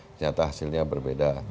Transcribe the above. ternyata hasilnya berbeda